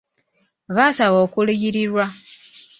Baasaba okuliyirirwa.